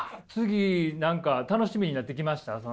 次何か楽しみになってきました？